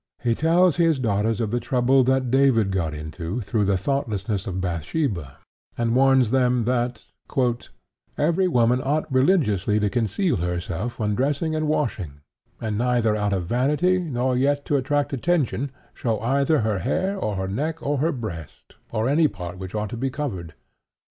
He tells his daughters of the trouble that David got into through the thoughtlessness of Bathsheba, and warns them that "every woman ought religiously to conceal herself when dressing and washing, and neither out of vanity nor yet to attract attention show either her hair, or her neck, or her breast, or any part which ought to be covered."